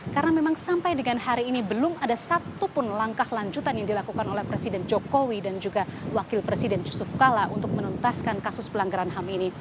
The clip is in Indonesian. karena memang sampai dengan hari ini belum ada satu pun langkah lanjutan yang dilakukan oleh presiden jokowi dan juga wakil presiden yusuf kala untuk menuntaskan kasus pelanggaran ham ini